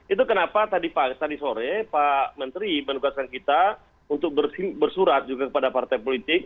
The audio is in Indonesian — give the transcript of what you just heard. itu kenapa tadi pagi tadi sore pak menteri pendukung asal kita untuk bersurat juga kepada partai politik